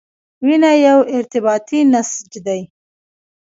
وینه یو ارتباطي نسج دی.